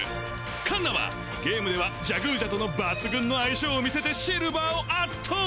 カンナはゲームではジャグージャとの抜群の相性を見せてシルヴァーを圧倒！